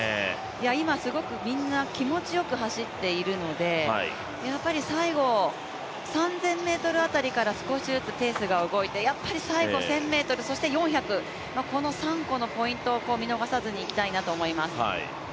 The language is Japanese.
今、すごくみんなが気持ちよく走ってるので、最後３０００ｍあたりから少しずつペースが動いて、やっぱり最後１０００ｍ、そして４００、この３個のポイントを見逃さずにいきたいなと思います。